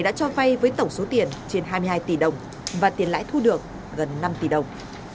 đã cho vay với tổng số tiền trên hai mươi hai tỷ đồng và tiền lãi thu được gần năm tỷ đồng